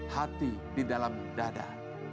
hati di dalam dada